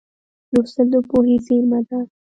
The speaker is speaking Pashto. لوستل د پوهې زېرمه ده.